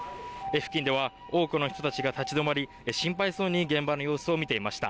付近では多くの人たちが立ち止まり、心配そうに現場の様子を見ていました。